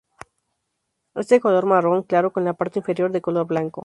Es de color marrón claro con la parte inferior de color blanco.